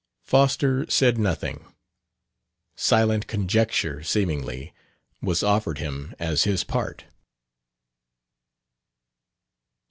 Foster said nothing. Silent conjecture, seemingly, was offered him as his part.